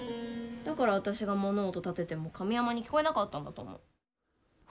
だから私が物音立てても神山に聞こえなかったんだと思う。